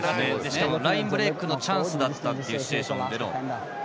ラインブレークのチャンスだったというシチュエーションでの。